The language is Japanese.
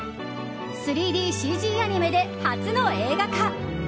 ３ＤＣＧアニメで初の映画化。